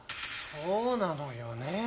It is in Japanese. そうなのよね